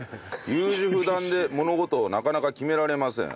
優柔不断で物事をなかなか決められません。